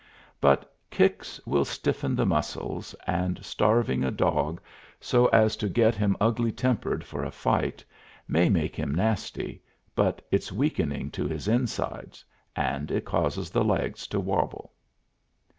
But kicks will stiffen the muscles, and starving a dog so as to get him ugly tempered for a fight may make him nasty, but it's weakening to his insides, and it causes the legs to wobble.